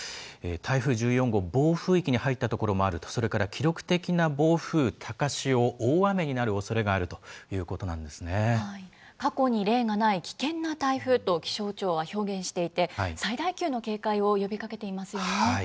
台風１４号、暴風域に入ったところもあると、それから記録的な暴風、高潮、大雨になるおそれがあ過去に例がない危険な台風と気象庁は表現していて、最大級の警戒を呼びかけていますよね。